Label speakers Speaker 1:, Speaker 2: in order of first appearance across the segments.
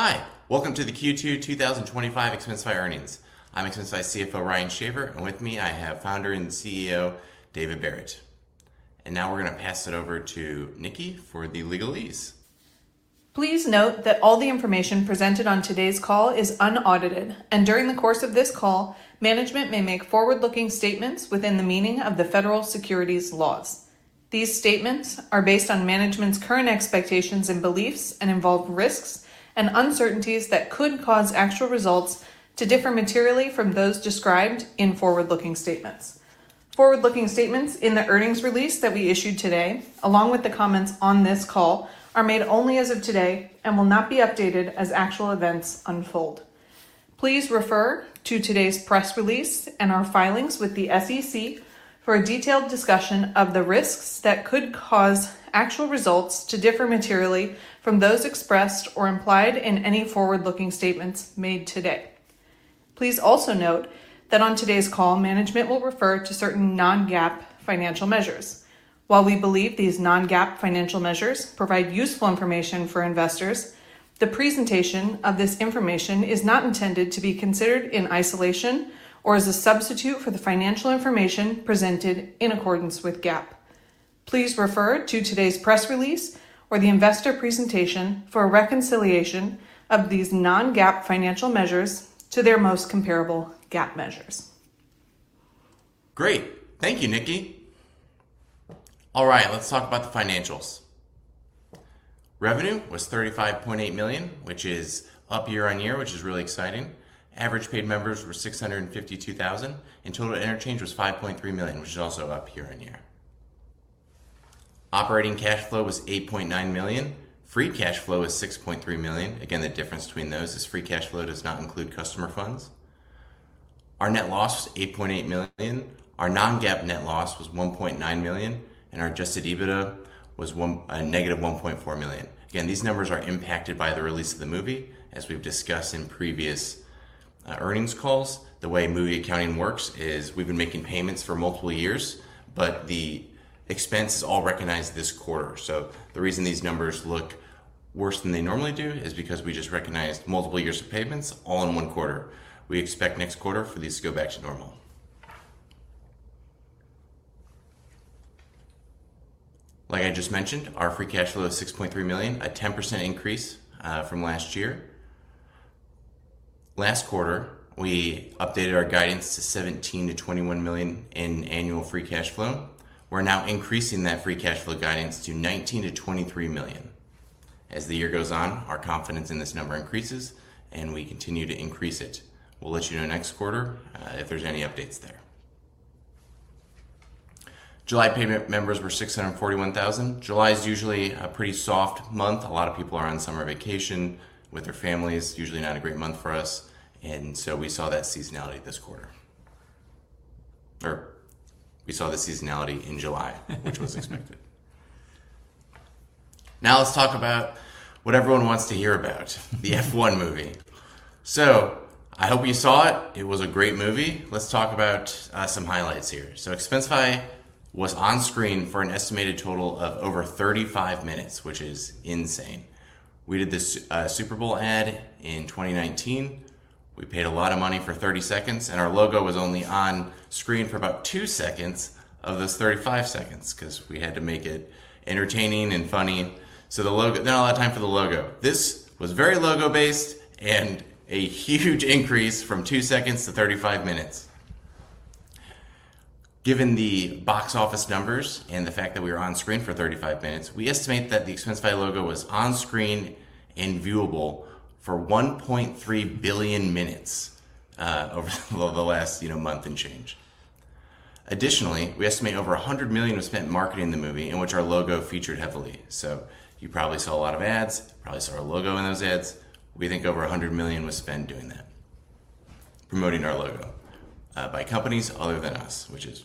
Speaker 1: Hi, welcome to the Q2 2025 Expensify Earnings. I'm Expensify CFO Ryan Schaffer, and with me, I have Founder and CEO David Barrett. Now we're going to pass it over to Niki for the legalese.
Speaker 2: Please note that all the information presented on today's call is unaudited, and during the course of this call, management may make forward-looking statements within the meaning of the federal securities laws. These statements are based on management's current expectations and beliefs and involve risks and uncertainties that could cause actual results to differ materially from those described in forward-looking statements. Forward-looking statements in the earnings release that we issued today, along with the comments on this call, are made only as of today and will not be updated as actual events unfold. Please refer to today's press release and our filings with the SEC for a detailed discussion of the risks that could cause actual results to differ materially from those expressed or implied in any forward-looking statements made today. Please also note that on today's call, management will refer to certain non-GAAP financial measures. While we believe these non-GAAP financial measures provide useful information for investors, the presentation of this information is not intended to be considered in isolation or as a substitute for the financial information presented in accordance with GAAP. Please refer to today's press release or the investor presentation for reconciliation of these non-GAAP financial measures to their most comparable GAAP measures.
Speaker 1: Great. Thank you, Niki. All right, let's talk about the financials. Revenue was $35.8 million, which is up year-on-year, which is really exciting. Average paid members were 652,000, and total interchange was $5.3 million, which is also up year on year. Operating cash flow was $8.9 million. Free cash flow was $6.3 million. Again, the difference between those is free cash flow does not include customer funds. Our net loss was $8.8 million. Our non-GAAP net loss was $1.9 million, and our adjusted EBITDA was -$1.4 million. Again, these numbers are impacted by the release of the movie. As we've discussed in previous earnings calls, the way movie accounting works is we've been making payments for multiple years, but the expense is all recognized this quarter. The reason these numbers look worse than they normally do is because we just recognized multiple years of payments all in one quarter. We expect next quarter for these to go back to normal. Like I just mentioned, our free cash flow is $6.3 million, a 10% increase from last year. Last quarter, we updated our guidance to $17 million-$21 million in annual free cash flow. We're now increasing that free cash flow guidance to $19 million-$23 million. As the year goes on, our confidence in this number increases, and we continue to increase it. We'll let you know next quarter if there's any updates there. July payment members were 641,000. July is usually a pretty soft month. A lot of people are on summer vacation with their families. Usually not a great month for us. We saw that seasonality this quarter. We saw the seasonality in July, which was expected. Now let's talk about what everyone wants to hear about, The F1 Movie. I hope you saw it. It was a great movie. Let's talk about some highlights here. Expensify was on screen for an estimated total of over 35 minutes, which is insane. We did this Super Bowl ad in 2019. We paid a lot of money for 30 seconds, and our logo was only on screen for about two seconds of those 35 seconds because we had to make it entertaining and funny. The logo, not a lot of time for the logo. This was very logo-based and a huge increase from two seconds to 35 minutes. Given the box office numbers and the fact that we were on screen for 35 minutes, we estimate that the Expensify logo was on screen and viewable for 1.3 billion minutes over the last month and change. Additionally, we estimate over $100 million were spent marketing the movie in which our logo featured heavily. You probably saw a lot of ads, probably saw our logo in those ads. We think over $100 million was spent doing that, promoting our logo by companies other than us, which is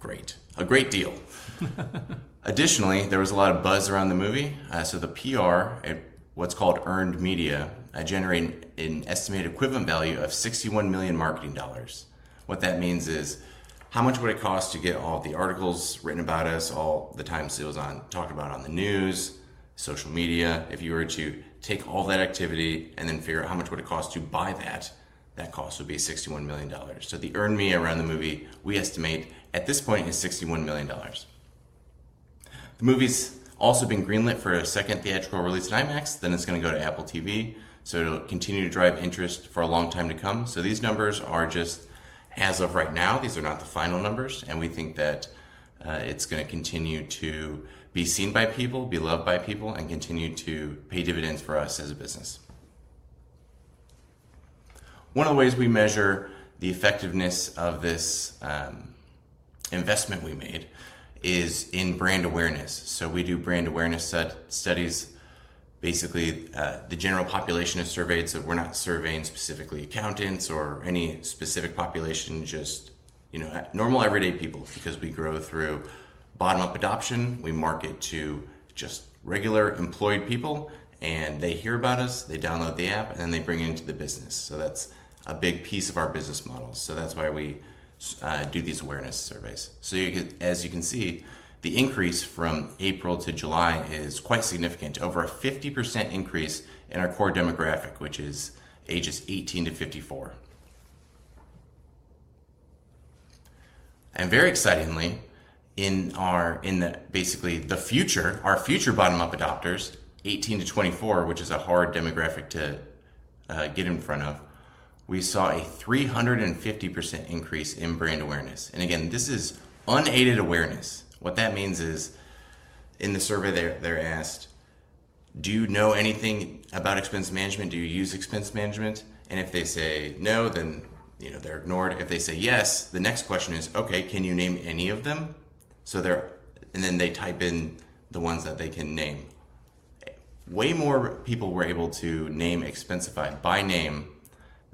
Speaker 1: great, a great deal. Additionally, there was a lot of buzz around the movie. The PR and what's called earned media generated an estimated equivalent value of $61 million marketing dollars. What that means is how much would it cost to get all of the articles written about us, all the times it was talked about on the news, social media, if you were to take all that activity and then figure out how much would it cost to buy that, that cost would be $61 million. The earned media around the movie, we estimate at this point is $61 million. The movie's also been greenlit for a second theatrical release at IMAX. It is going to go to Apple TV. It will continue to drive interest for a long time to come. These numbers are just as of right now. These are not the final numbers. We think that it is going to continue to be seen by people, be loved by people, and continue to pay dividends for us as a business. One of the ways we measure the effectiveness of this investment we made is in brand awareness. We do brand awareness studies. Basically, the general population is surveyed. We are not surveying specifically accountants or any specific population, just, you know, normal everyday people because we grow through bottom-up adoption. We market to just regular employed people, and they hear about us, they download the app, and then they bring it into the business. That is a big piece of our business model. That is why we do these awareness surveys. As you can see, the increase from April to July is quite significant, over a 50% increase in our core demographic, which is ages 18-54. Very excitingly, in basically our future bottom-up adopters, 18-24, which is a hard demographic to get in front of, we saw a 350% increase in brand awareness. Again, this is unaided awareness. What that means is in the survey they're asked, do you know anything about expense management? Do you use expense management? If they say no, then they are ignored. If they say yes, the next question is, okay, can you name any of them? Then they type in the ones that they can name. Way more people were able to name Expensify by name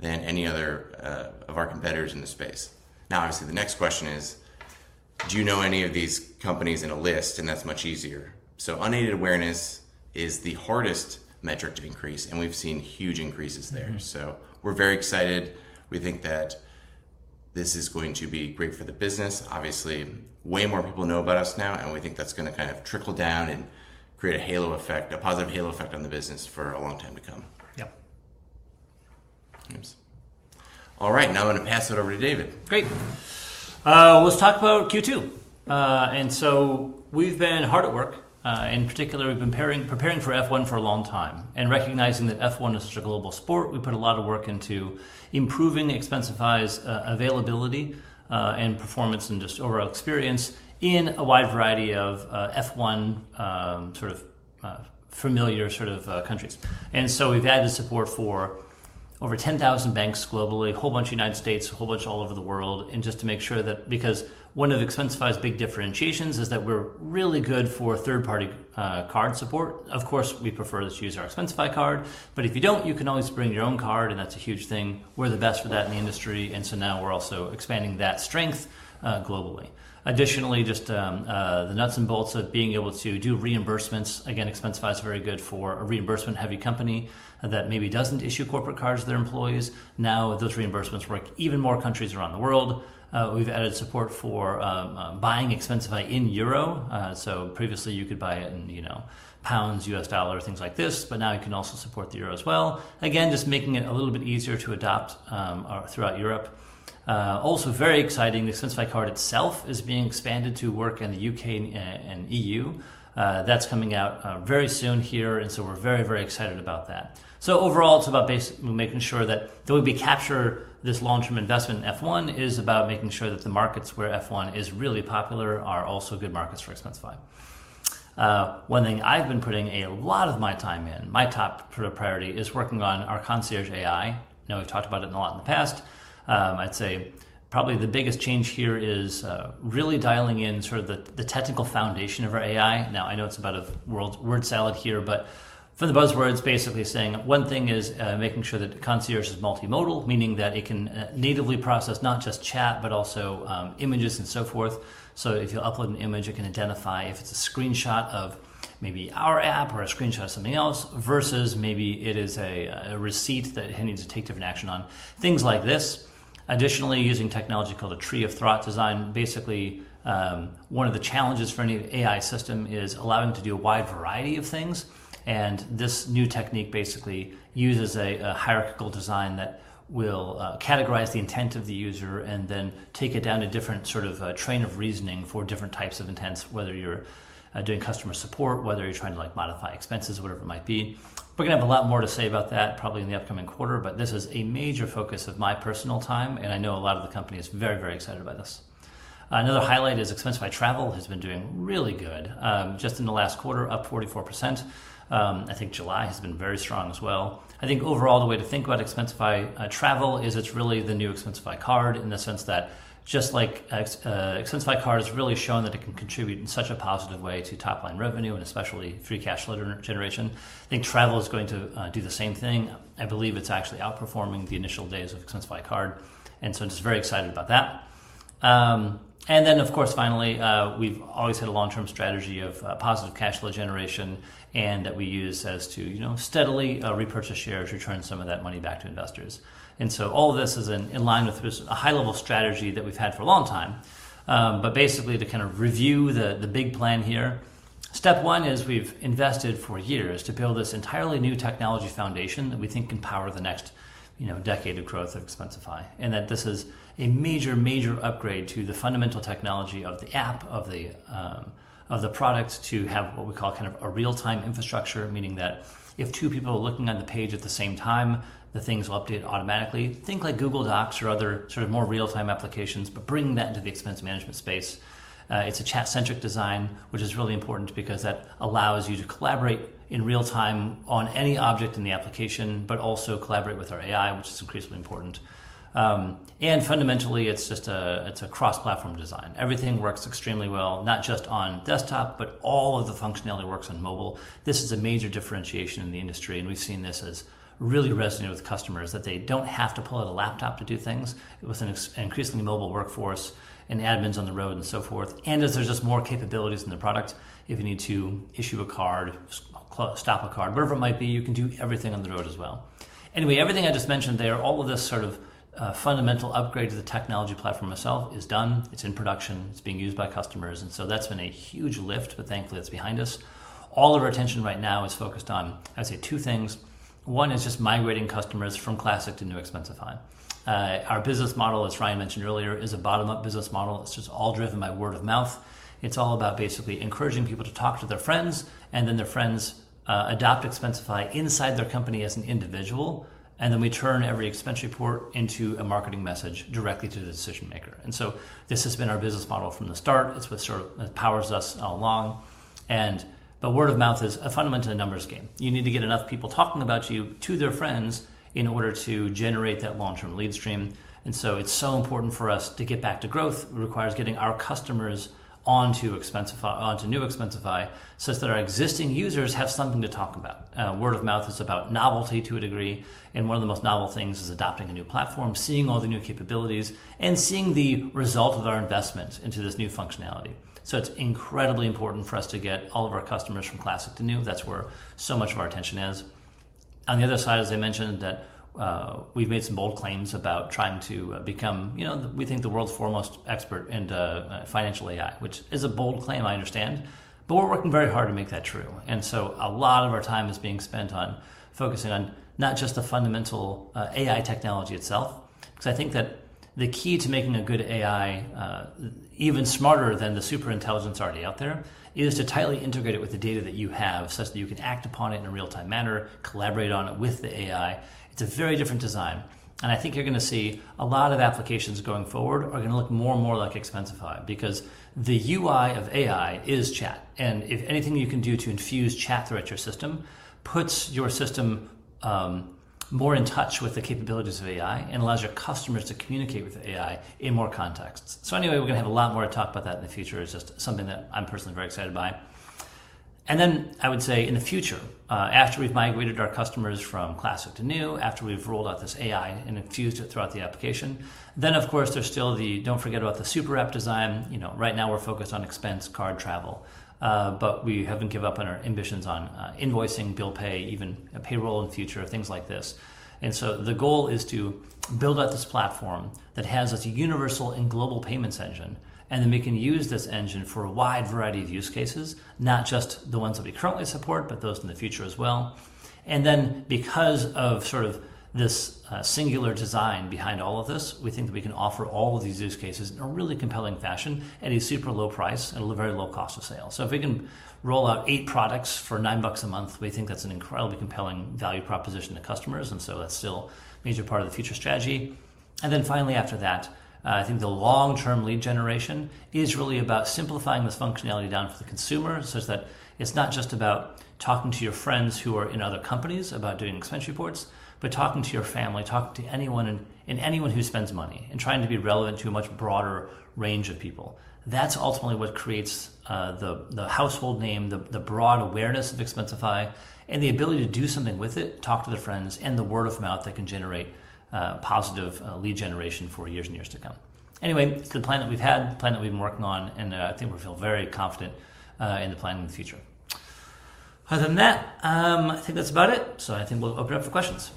Speaker 1: than any other of our competitors in the space. Now, obviously, the next question is, do you know any of these companies in a list? That's much easier. Unaided awareness is the hardest metric to increase, and we've seen huge increases there. We're very excited. We think that this is going to be great for the business. Obviously, way more people know about us now, and we think that's going to kind of trickle down and create a halo effect, a positive halo effect on the business for a long time to come. All right, now I'm going to pass it over to David.
Speaker 3: Great. Let's talk about Q2. We've been hard at work. In particular, we've been preparing for the F1 movie for a long time and recognizing that F1 is such a global sport. We put a lot of work into improving Expensify's availability and performance and just overall experience in a wide variety of F1 sort of familiar countries. We've added support for over 10,000 banks globally, a whole bunch in the United States, a whole bunch all over the world. This is to make sure that, because one of Expensify's big differentiations is that we're really good for third-party card support. Of course, we prefer you use our Expensify Card, but if you don't, you can always bring your own card, and that's a huge thing. We're the best for that in the industry. Now we're also expanding that strength globally. Additionally, just the nuts and bolts of being able to do reimbursements. Expensify is very good for a reimbursement-heavy company that maybe doesn't issue corporate cards to their employees. Now those reimbursements work in even more countries around the world. We've added support for buying Expensify in Euro. Previously you could buy it in pounds, U.S. dollars, things like this, but now you can also support the Euro as well. This makes it a little bit easier to adopt throughout Europe. Also, very exciting, the Expensify Card itself is being expanded to work in the U.K. and E.U. That's coming out very soon here. We're very, very excited about that. Overall, it's about basically making sure that the way we capture this long-term investment in F1 is about making sure that the markets where F1 is really popular are also good markets for Expensify. One thing I've been putting a lot of my time in, my top priority, is working on our Concierge AI. We've talked about it a lot in the past. I'd say probably the biggest change here is really dialing in the technical foundation of our AI. I know it's a bit of a word salad here, but for the buzzwords, basically one thing is making sure that the Concierge is multimodal, meaning that it can natively process not just chat, but also images and so forth. If you upload an image, it can identify if it's a screenshot of maybe our app or a screenshot of something else versus maybe it is a receipt that it needs to take different action on, things like this. Additionally, using technology called a tree of thought design, basically one of the challenges for any AI system is allowing it to do a wide variety of things. This new technique basically uses a hierarchical design that will categorize the intent of the user and then take it down to a different sort of train of reasoning for different types of intents, whether you're doing customer support, whether you're trying to modify expenses, whatever it might be. We're going to have a lot more to say about that probably in the upcoming quarter. This is a major focus of my personal time, and I know a lot of the company is very, very excited about this. Another highlight is Expensify Travel has been doing really good. Just in the last quarter, up 44%. I think July has been very strong as well. I think overall the way to think about Expensify Travel is it's really the new Expensify Card in the sense that just like Expensify Card has really shown that it can contribute in such a positive way to top-line revenue and especially free cash flow generation, I think Travel is going to do the same thing. I believe it's actually outperforming the initial days of Expensify Card, and I'm just very excited about that. Of course, finally, we've always had a long-term strategy of positive cash flow generation and that we use to steadily repurchase shares, return some of that money back to investors. All of this is in line with a high-level strategy that we've had for a long time. Basically, to kind of review the big plan here, step one is we've invested for years to build this entirely new technology foundation that we think can power the next decade of growth of Expensify. This is a major, major upgrade to the fundamental technology of the app, of the products to have what we call kind of a real-time infrastructure, meaning that if two people are looking at the page at the same time, things will update automatically. Think like Google Docs or other more real-time applications, but bringing that into the expense management space. It's a chat-centric design, which is really important because that allows you to collaborate in real time on any object in the application, but also collaborate with our AI, which is increasingly important. Fundamentally, it's just a cross-platform design. Everything works extremely well, not just on desktop, but all of the functionality works on mobile. This is a major differentiation in the industry, and we've seen this as really resonating with customers that they don't have to pull out a laptop to do things. With an increasingly mobile workforce and admins on the road and so forth, and as there's just more capabilities in the product, if you need to issue a card, stop a card, whatever it might be, you can do everything on the road as well. Everything I just mentioned there, all of this sort of fundamental upgrade to the technology platform itself is done. It's in production. It's being used by customers, and that's been a huge lift, but thankfully it's behind us. All of our attention right now is focused on, I'd say, two things. One is just migrating customers from Classic to New Expensify. Our business model, as Ryan mentioned earlier, is a bottom-up business model. It's all driven by word-of-mouth. It's all about basically encouraging people to talk to their friends, and then their friends adopt Expensify inside their company as an individual. We turn every expense report into a marketing message directly to the decision maker. This has been our business model from the start. It's what powers us all along. The word-of-mouth is a fundamental numbers game. You need to get enough people talking about you to their friends in order to generate that long-term lead stream. It's so important for us to get back to growth. It requires getting our customers onto Expensify, onto New Expensify, such that our existing users have something to talk about. Word-of-mouth is about novelty to a degree. One of the most novel things is adopting a new platform, seeing all the new capabilities, and seeing the result of our investment into this new functionality. It's incredibly important for us to get all of our customers from Classic to New. That's where so much of our attention is. On the other side, as I mentioned, we've made some bold claims about trying to become, you know, we think the world's foremost expert in financial AI, which is a bold claim, I understand. We're working very hard to make that true. A lot of our time is being spent on focusing on not just the fundamental AI technology itself, because I think that the key to making a good AI even smarter than the superintelligence already out there is to tightly integrate it with the data that you have such that you can act upon it in a real-time manner, collaborate on it with the AI. It's a very different design. I think you're going to see a lot of applications going forward are going to look more and more like Expensify because the UI of AI is chat. If anything you can do to infuse chat throughout your system puts your system more in touch with the capabilities of AI and allows your customers to communicate with the AI in more context. We're going to have a lot more to talk about that in the future. It's just something that I'm personally very excited by. I would say in the future, after we've migrated our customers from Classic to New, after we've rolled out this AI and infused it throughout the application, of course there's still the, don't forget about the super app design. Right now we're focused on expense, card, travel, but we haven't given up on our ambitions on invoicing, bill pay, even payroll in the future, things like this. The goal is to build out this platform that has a universal and global payments engine, and then we can use this engine for a wide variety of use cases, not just the ones that we currently support, but those in the future as well. Because of sort of this singular design behind all of this, we think that we can offer all of these use cases in a really compelling fashion at a super low price and a very low cost of sale. If we can roll out eight products for $9 a month, we think that's an incredibly compelling value proposition to customers. That's still a major part of the future strategy. Finally, after that, I think the long-term lead generation is really about simplifying this functionality down for the consumer such that it's not just about talking to your friends who are in other companies about doing expense reports, but talking to your family, talking to anyone and anyone who spends money and trying to be relevant to a much broader range of people. That's ultimately what creates the household name, the broad awareness of Expensify, and the ability to do something with it, talk to the friends, and the word-of-mouth that can generate positive lead generation for years and years to come. It's the plan that we've had, the plan that we've been working on, and that I think we'll feel very confident in the plan in the future. Other than that, I think that's about it. I think we'll open it up for questions.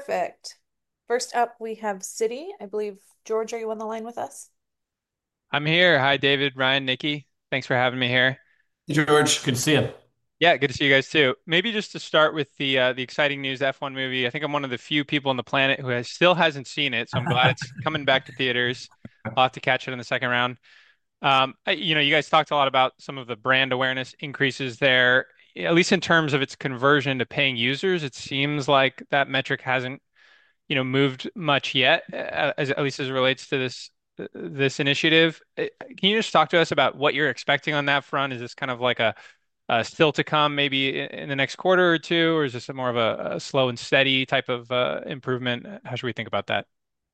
Speaker 2: Perfect. First up, we have Citi. I believe, George, are you on the line with us? I'm here. Hi, David, Ryan, Niki. Thanks for having me here.
Speaker 3: George, good to see you. Yeah, good to see you guys too. Maybe just to start with the exciting news, F1 Movie. I think I'm one of the few people on the planet who still hasn't seen it. I'm glad it's coming back to theaters. I'll have to catch it in the second round. You guys talked a lot about some of the brand awareness increases there, at least in terms of its conversion to paying users. It seems like that metric hasn't moved much yet, at least as it relates to this initiative. Can you just talk to us about what you're expecting on that front? Is this kind of like a still to come maybe in the next quarter or two, or is this more of a slow and steady type of improvement? How should we think about that?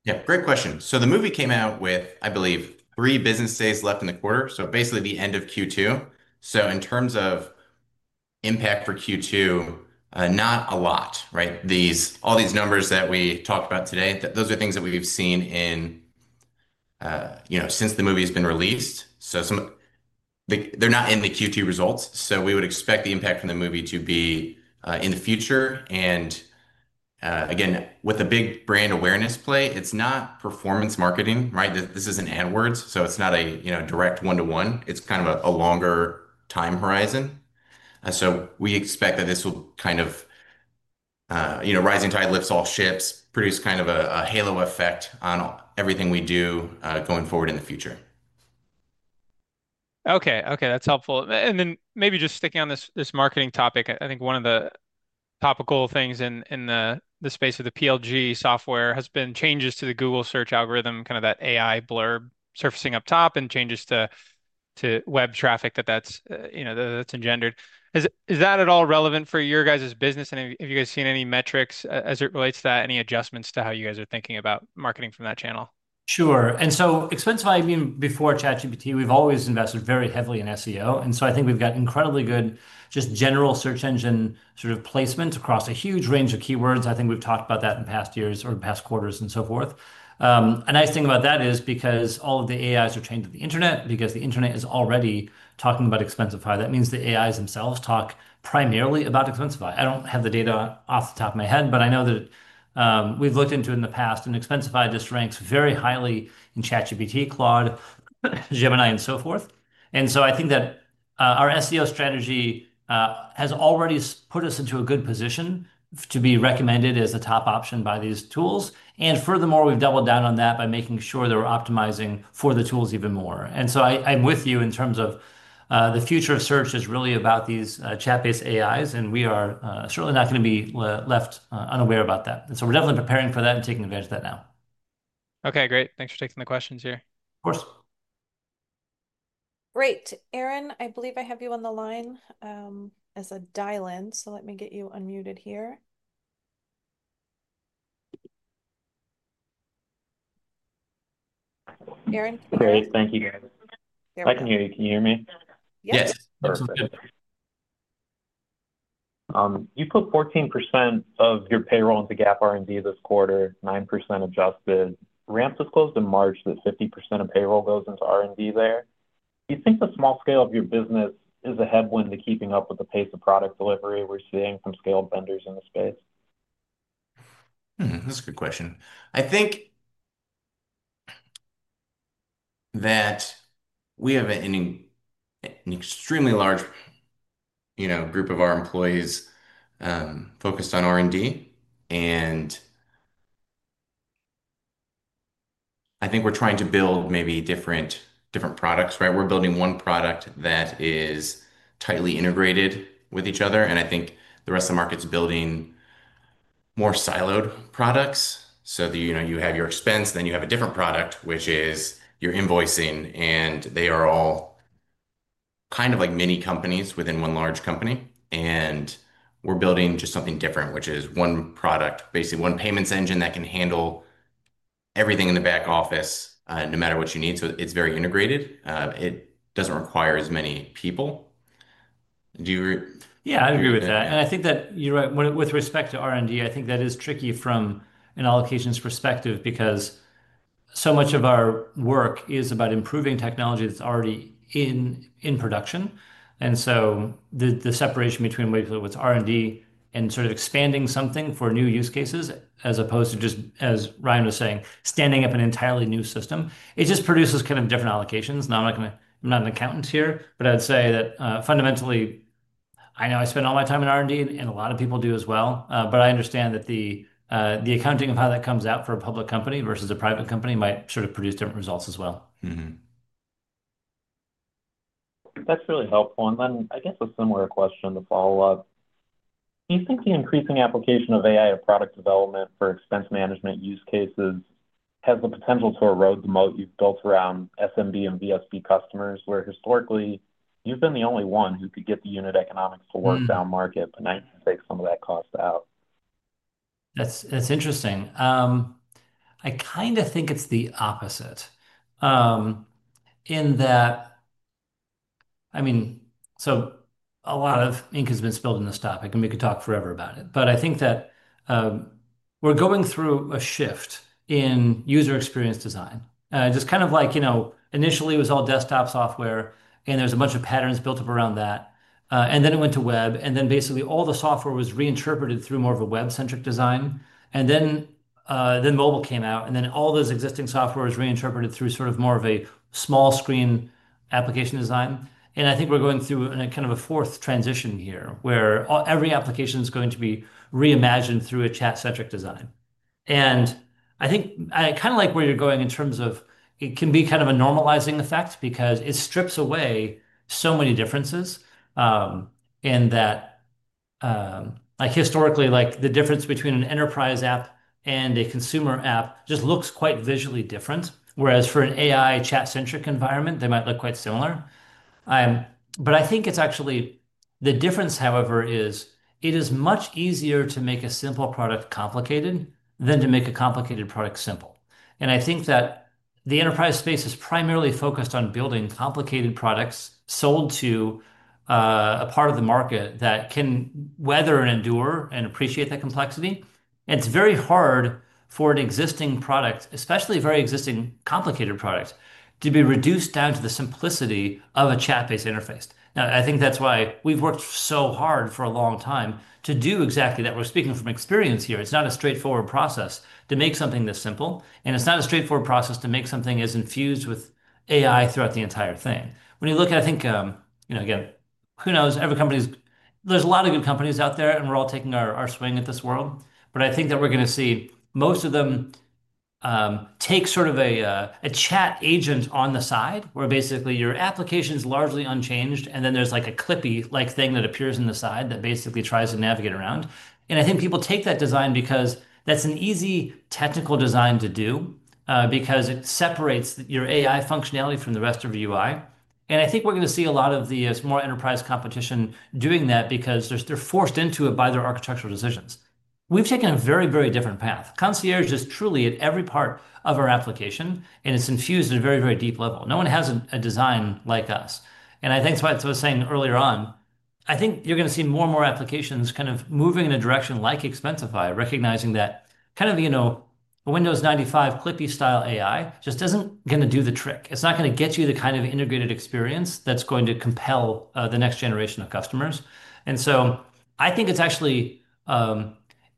Speaker 1: Yeah, great question. The movie came out with, I believe, three business days left in the quarter, basically the end of Q2. In terms of impact for Q2, not a lot, right? All these numbers that we talked about today, those are things that we've seen since the movie's been released. They're not in the Q2 results. We would expect the impact from the movie to be in the future. Again, with the big brand awareness play, it's not performance marketing, right? This isn't AdWords. It's not a direct one-to-one. It's kind of a longer time horizon. We expect that this will kind of, you know, rising tide lifts all ships, produce kind of a halo effect on everything we do going forward in the future. Okay, that's helpful. Maybe just sticking on this marketing topic, I think one of the topical things in the space of the PLG software has been changes to the Google search algorithm, kind of that AI blurb surfacing up top, and changes to web traffic that that's, you know, that's engendered. Is that at all relevant for your guys' business? Have you guys seen any metrics as it relates to that? Any adjustments to how you guys are thinking about marketing from that channel?
Speaker 3: Sure. Expensify, even before ChatGPT, we've always invested very heavily in SEO. I think we've got incredibly good general search engine sort of placement across a huge range of keywords. I think we've talked about that in past years or past quarters and so forth. A nice thing about that is because all of the AIs are trained on the internet, and because the internet is already talking about Expensify, that means the AIs themselves talk primarily about Expensify. I don't have the data off the top of my head, but I know that we've looked into it in the past, and Expensify just ranks very highly in ChatGPT, Claude, Gemini, and so forth. I think that our SEO strategy has already put us into a good position to be recommended as a top option by these tools. Furthermore, we've doubled down on that by making sure that we're optimizing for the tools even more. I'm with you in terms of the future of search is really about these chat-based AIs, and we are certainly not going to be left unaware about that. We're definitely preparing for that and taking advantage of that now. Okay, great. Thanks for taking the questions here. Of course.
Speaker 2: Great. Aaron, I believe I have you on the line as a dial-in, so let me get you unmuted here. Aaron?
Speaker 4: Great, thank you, Barrett. I can hear you. Can you hear me?
Speaker 3: Yes.
Speaker 4: You put 14% of your payroll into GAAP R&D this quarter, 9% adjusted. Ramp disclosed in March that 50% of payroll goes into R&D there. Do you think the small scale of your business is a headwind to keeping up with the pace of product delivery we're seeing from scaled vendors in the space?
Speaker 1: That's a good question. I think that we have an extremely large group of our employees focused on R&D, and I think we're trying to build maybe different products, right? We're building one product that is tightly integrated with each other. I think the rest of the market's building more siloed products. You have your expense, then you have a different product, which is your invoicing, and they are all kind of like mini companies within one large company. We're building just something different, which is one product, basically one payments engine that can handle everything in the back office, no matter what you need. It's very integrated. It doesn't require as many people. Do you?
Speaker 3: Yeah, I agree with that. I think that you're right. With respect to R&D, I think that is tricky from an allocations perspective because so much of our work is about improving technology that's already in production. The separation between what's R&D and sort of expanding something for new use cases, as opposed to just, as Ryan was saying, standing up an entirely new system, just produces kind of different allocations. I'm not an accountant here, but I'd say that fundamentally, I know I spend all my time in R&D, and a lot of people do as well, but I understand that the accounting of how that comes out for a public company versus a private company might sort of produce different results as well.
Speaker 4: That's really helpful. I guess a similar question to follow up. Do you think the increasing application of AI and product development for expense management use cases has the potential to erode the moat you've built around SMB and VSB customers, where historically you've been the only one who could get the unit economics to work down market, but now you can take some of that cost out?
Speaker 3: That's interesting. I kind of think it's the opposite in that, I mean, a lot of ink has been spilled on this topic, and we could talk forever about it. I think that we're going through a shift in user experience design. Just kind of like, you know, initially it was all desktop software, and there's a bunch of patterns built up around that. Then it went to web, and basically all the software was reinterpreted through more of a web-centric design. Mobile came out, and then all those existing software was reinterpreted through sort of more of a small screen application design. I think we're going through a kind of a fourth transition here where every application is going to be reimagined through a chat-centric design. I kind of like where you're going in terms of it can be kind of a normalizing effect because it strips away so many differences. Historically, the difference between an enterprise app and a consumer app just looks quite visually different. For an AI chat-centric environment, they might look quite similar. I think the difference, however, is it is much easier to make a simple product complicated than to make a complicated product simple. The enterprise space is primarily focused on building complicated products sold to a part of the market that can weather and endure and appreciate that complexity. It's very hard for an existing product, especially a very existing complicated product, to be reduced down to the simplicity of a chat-based interface. That's why we've worked so hard for a long time to do exactly that. We're speaking from experience here. It's not a straightforward process to make something this simple. It's not a straightforward process to make something as infused with AI throughout the entire thing. When you look at, I think, you know, again, who knows, every company, there's a lot of good companies out there, and we're all taking our swing at this world. I think that we're going to see most of them take sort of a chat agent on the side, where basically your application's largely unchanged, and then there's like a clippy-like thing that appears on the side that basically tries to navigate around. I think people take that design because that's an easy technical design to do, because it separates your AI functionality from the rest of your UI. I think we're going to see a lot of the more enterprise competition doing that because they're forced into it by their architectural decisions. We've taken a very, very different path. Concierge is truly at every part of our application, and it's infused at a very, very deep level. No one has a design like us. I think that's why I was saying earlier, I think you're going to see more and more applications kind of moving in a direction like Expensify, recognizing that kind of, you know, Windows 95 clippystyle AI just isn't going to do the trick. It's not going to get you the kind of integrated experience that's going to compel the next generation of customers. I think it's actually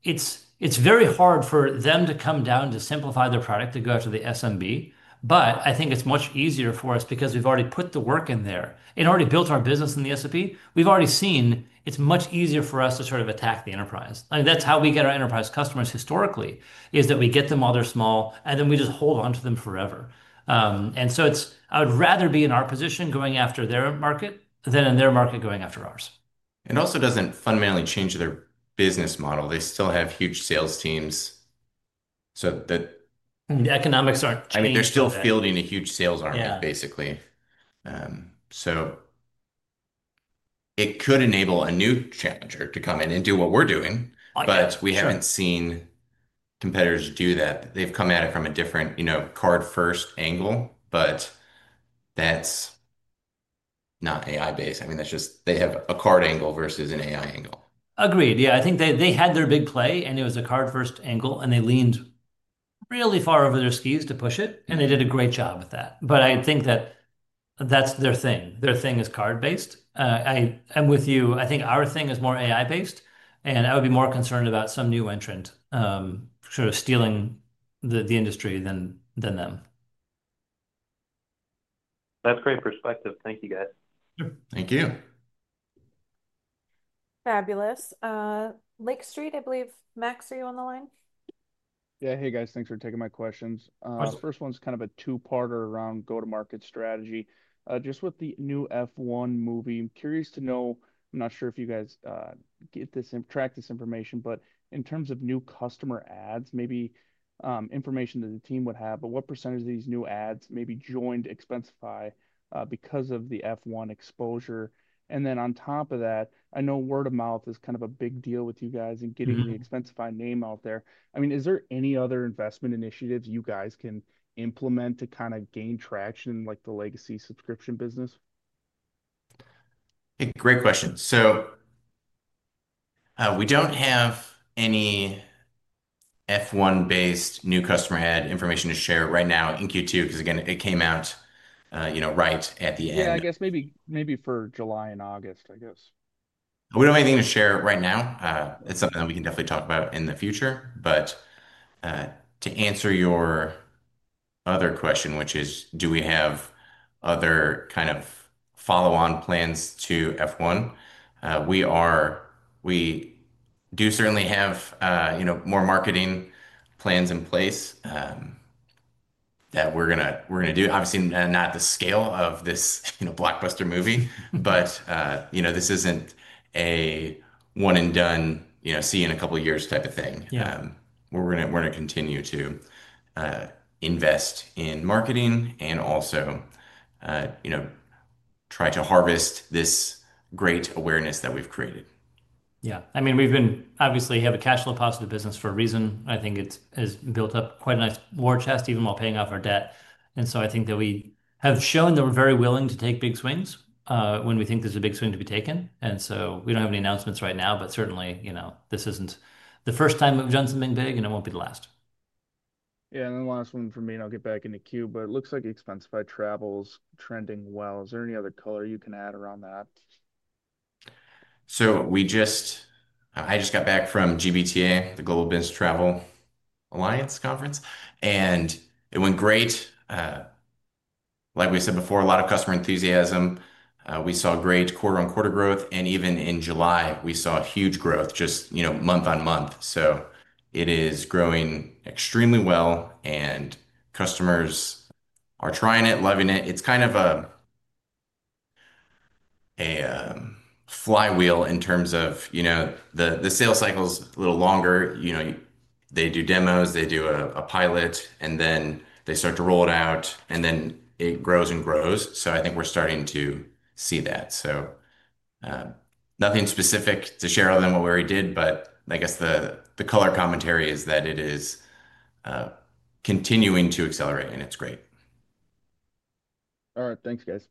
Speaker 3: very hard for them to come down to simplify their product to go after the SMB. I think it's much easier for us because we've already put the work in there and already built our business in the SMB. We've already seen it's much easier for us to sort of attack the enterprise. I think that's how we get our enterprise customers historically, we get them while they're small, and then we just hold on to them forever. I would rather be in our position going after their market than in their market going after ours.
Speaker 1: It also doesn't fundamentally change their business model. They still have huge sales teams.
Speaker 3: The economics aren't changing.
Speaker 1: They're still fielding a huge sales arm basically. It could enable a new challenger to come in and do what we're doing, but we haven't seen competitors do that. They've come at it from a different, you know, card-first angle, but that's not AI-based. They have a card angle versus an AI angle.
Speaker 3: Agreed. I think they had their big play, and it was a card-first angle, and they leaned really far over their skis to push it, and they did a great job with that. I think that that's their thing. Their thing is card-based. I'm with you. I think our thing is more AI-based, and I would be more concerned about some new entrant sort of stealing the industry than them.
Speaker 4: That's great perspective. Thank you, guys.
Speaker 1: Thank you.
Speaker 2: Fabulous. Lake Street, I believe Max, are you on the line?
Speaker 5: Yeah, hey guys, thanks for taking my questions. This first one's kind of a two-parter around go-to-market strategy. Just with the new F1 Movie, I'm curious to know, I'm not sure if you guys get this and track this information, but in terms of new customer ads, maybe information that the team would have, but what percentage of these new ads maybe joined Expensify because of the F1 exposure? On top of that, I know word-of-mouth is kind of a big deal with you guys and getting the Expensify name out there. I mean, is there any other investment initiatives you guys can implement to kind of gain traction in like the legacy subscription business?
Speaker 1: Great question. We don't have any F1 movie-based new customer ad information to share right now in Q2 because it came out right at the end.
Speaker 5: Yeah, maybe for July and August, I guess.
Speaker 1: We don't have anything to share right now. That's something that we can definitely talk about in the future. To answer your other question, which is, do we have other kind of follow-on plans to F1? We do certainly have more marketing plans in place that we're going to do. Obviously, not the scale of this blockbuster movie, but this isn't a one-and-done, see you in a couple of years type of thing. We're going to continue to invest in marketing and also try to harvest this great awareness that we've created.
Speaker 3: Yeah, I mean, we've obviously had a cash flow positive business for a reason. I think it's built up quite a nice war chest even while paying off our debt. I think that we have shown that we're very willing to take big swings when we think there's a big swing to be taken. We don't have any announcements right now, but certainly, you know, this isn't the first time we've done something big and it won't be the last.
Speaker 5: Yeah, and the last one from me, I'll get back into queue but it looks like Expensify Travel's trending well. Is there any other color you can add around that?
Speaker 1: I just got back from GBTA, the Global Business Travel Alliance Conference, and it went great. Like we said before, a lot of customer enthusiasm. We saw great quarter-on-quarter growth, and even in July, we saw huge growth just month-on-month. It is growing extremely well, and customers are trying it, loving it. It's kind of a flywheel in terms of the sales cycle's a little longer. They do demos, they do a pilot, and then they start to roll it out, and then it grows and grows. I think we're starting to see that. Nothing specific to share on them or where he did, but I guess the color commentary is that it is continuing to accelerate, and it's great.
Speaker 5: All right, thanks, guys.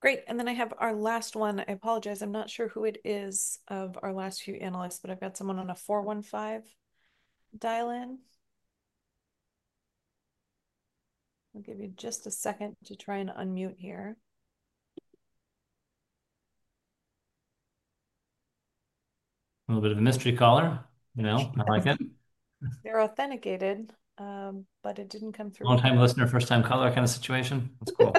Speaker 2: Great. I have our last one. I apologize, I'm not sure who it is of our last few analysts, but I've got someone on a 415 dial-in. I'll give you just a second to try and unmute here.
Speaker 3: A little bit of a mystery caller, you know. I like it.
Speaker 2: They're authenticated, but it didn't come through.
Speaker 3: Long-time listener, first-time caller kind of situation. That's cool.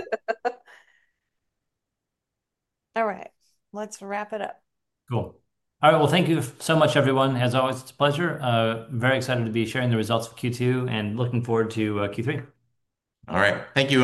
Speaker 2: All right, let's wrap it up.
Speaker 3: Cool. All right, thank you so much, everyone. As always, it's a pleasure. I'm very excited to be sharing the results of Q2 and looking forward to Q3.
Speaker 1: All right, thank you.